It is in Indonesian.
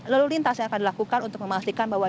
lalu lintas yang akan dilakukan untuk memastikan bahwa